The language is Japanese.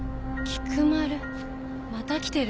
菊丸？